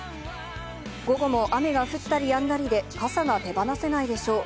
午後も雨が降ったりやんだりで、傘が手放せないでしょう。